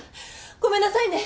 ごめんなさいね。